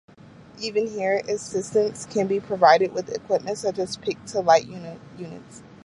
Even here, assistance can be provided with equipment such as pick-to-light units.